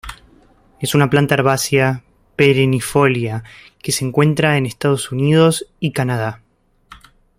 Es una planta herbácea perennifolia que se encuentra en Estados Unidos y Canadá.